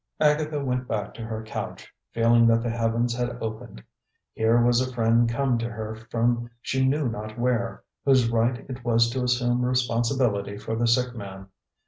Agatha went back to her couch, feeling that the heavens had opened. Here was a friend come to her from she knew not where, whose right it was to assume responsibility for the sick man.